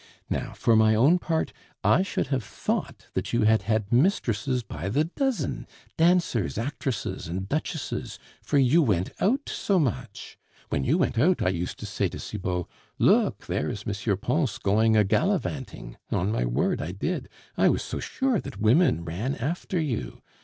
Now, for my own part, I should have thought that you had had mistresses by the dozen dancers, actresses, and duchesses, for you went out so much. ... When you went out, I used to say to Cibot, 'Look! there is M. Pons going a gallivanting,' on my word, I did, I was so sure that women ran after you.